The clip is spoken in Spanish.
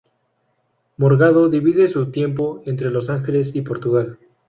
Morgado divide su tiempo entre Los Ángeles y Portugal.